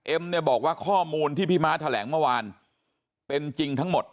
เนี่ยบอกว่าข้อมูลที่พี่ม้าแถลงเมื่อวานเป็นจริงทั้งหมด